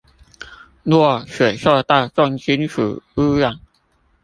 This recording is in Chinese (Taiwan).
若水受到重金屬污染